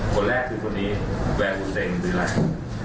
คนแรกคือคนนี้แวร์อูเซ็งหรือไหล่